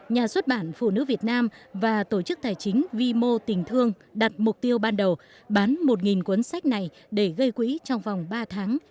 nhà xuất bản phụ nữ việt nam và tổ chức tài chính vi mô tình thương đặt mục tiêu ban đầu bán một cuốn sách này để gây quỹ trong vòng ba tháng